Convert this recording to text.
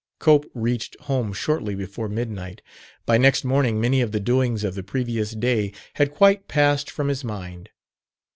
Cope reached home shortly before midnight. By next morning many of the doings of the previous day had quite passed from his mind.